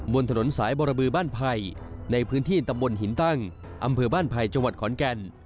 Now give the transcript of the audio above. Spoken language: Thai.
บนถนนสายบรบือบ้านไผ่ในพื้นที่ตำบลหินตั้งอำเภอบ้านไผ่จังหวัดขอนแก่น